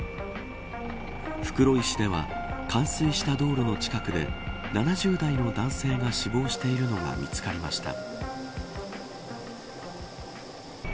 袋井市では冠水した道路の近くで７０代の男性が死亡しているのが見つかりました。